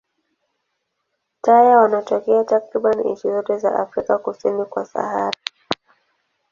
Taya wanatokea takriban nchi zote za Afrika kusini kwa Sahara.